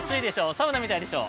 サウナみたいでしょ。